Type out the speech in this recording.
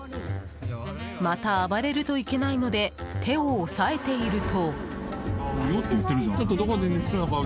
また暴れるといけないので手を押さえていると。